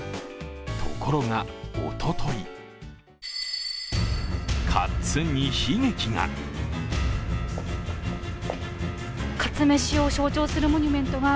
ところが、おとといかっつんに悲劇が！